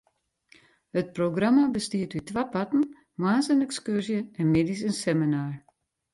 It programma bestiet út twa parten: moarns in ekskurzje en middeis in seminar.